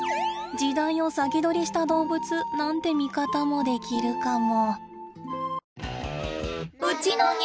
時代を先取りした動物なんて見方もできるかも。